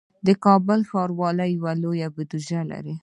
د کابل ښاروالي لویه بودیجه لري